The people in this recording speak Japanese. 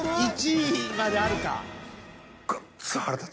［１位まであるか］